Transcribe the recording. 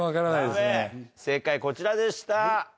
正解こちらでした。